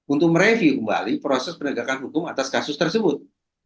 untuk mereview kembali proses penegakan hukum atas kasus tersebut